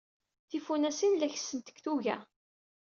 Tifunasin la kessent deg tuga.